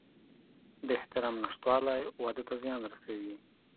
د احترام نشتوالی واده ته تاوان رسوي.